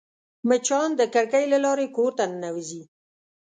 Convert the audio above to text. مچان د کړکۍ له لارې کور ته ننوزي